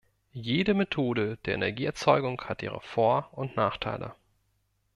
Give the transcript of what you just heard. Jede Methode der Energieerzeugung hat ihre Vor- und Nachteile.